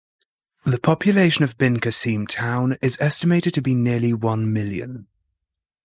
The population of Bin Qasim Town is estimated to be nearly one million.